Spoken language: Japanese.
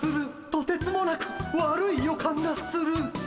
とてつもなく悪い予感がする。